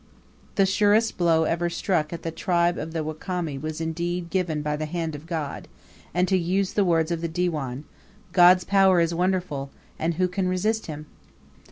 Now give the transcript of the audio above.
The surest blow ever struck at the tribe of the Wakami was indeed given by the hand of God; and, to use the words of the Diwan, "God's power is wonderful, and who can resist Him!"